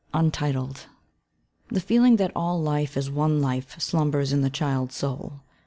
The feeling that all life is one life slumbers in the child's soul.